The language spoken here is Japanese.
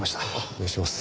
お願いします。